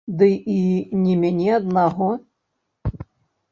Ды і не мяне аднаго.